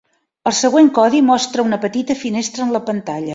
El següent codi mostra una petita finestra en la pantalla.